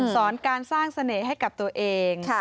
สอนการสร้างเสน่ห์ให้กับตัวเอง